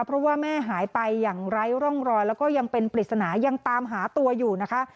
เพราะว่าแม่หายไปอย่างไร้ร่องรอยแล้วก็ยังเป็นปริศนายังตามหาตัวอยู่นะคะ